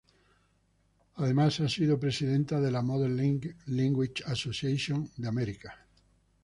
Además, ha sido presidenta de la Modern Language Association of America.